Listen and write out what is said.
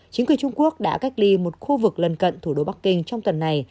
chính quyền trung quốc đã cách ly một khu vực lân cận thủ đô bắc kinh trong tuần này